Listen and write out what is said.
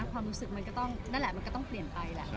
ความรู้สึกมันก็ต้องนั่นแหละมันก็ต้องเปลี่ยนไปแหละ